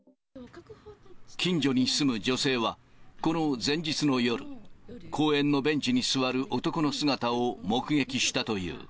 近所に住む女性は、この前日の夜、公園のベンチに座る男の姿を目撃したという。